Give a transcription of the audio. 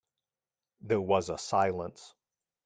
There was a silence.